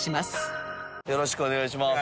よろしくお願いします。